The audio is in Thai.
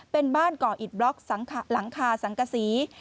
เป็นบ้านก่ออิดบล็อกหลังคาสังกษี